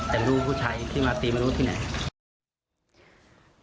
แต่รู้ผู้ชายที่มาตีมนุษย์ที่ไหน